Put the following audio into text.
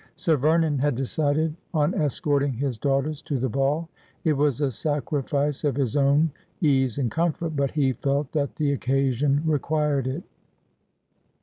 Sir Vernon had decided on escorting his daughters to the ball. It was a sacrifice of his own ease and comfort, but he felt that the occasion required it.